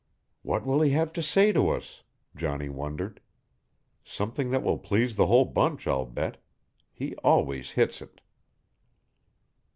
"What will he have to say to us," Johnny wondered. "Something that will please the whole bunch, I'll bet. He always hits it."